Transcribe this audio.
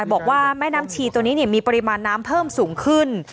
บอกว่าแม่น้ำชีตัวนี้มีปริมาณน้ำเพิ่มสูงขึ้น